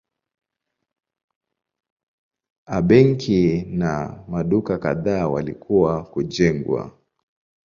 A benki na maduka kadhaa walikuwa kujengwa.